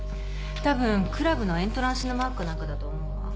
たぶんクラブのエントランスのマークか何かだと思うわ。